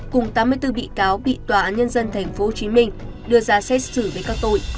cùng tám mươi bốn bị cáo bị tòa án nhân dân tp hcm đưa ra xét xử với các tội